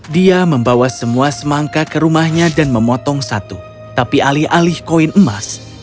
dia membawa semua semangka ke rumahnya dan memotong satu tapi alih alih koin emas